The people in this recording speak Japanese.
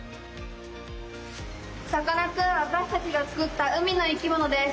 さかなクン私たちが作った海の生き物です。